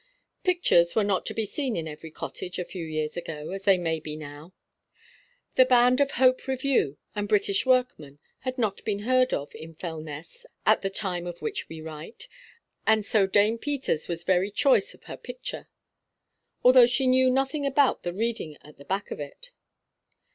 Pictures were not to be seen in every cottage a few years ago, as they may be now. The Band of Hope Review and British Workman had not been heard of in Fellness at the time of which we write, and so Dame Peters was very choice of her picture, although she knew nothing about the reading at the back of it.